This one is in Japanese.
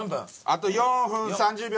あと４分３０秒。